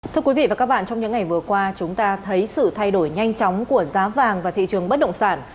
thưa quý vị và các bạn trong những ngày vừa qua chúng ta thấy sự thay đổi nhanh chóng của giá vàng và thị trường bất động sản